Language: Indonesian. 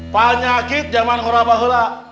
panjakit jaman korabahela